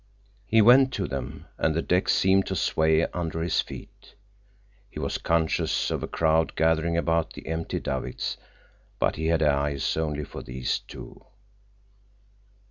He went to them, and the deck seemed to sway under his feet. He was conscious of a crowd gathering about the empty davits, but he had eyes only for these two.